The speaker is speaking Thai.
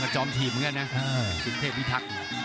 จอมถีบเหมือนกันนะสินเทพพิทักษ์